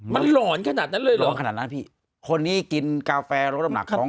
มันหลอนขนาดนั้นเลยหลอนขนาดนั้นพี่คนนี้กินกาแฟลดน้ำหนักของ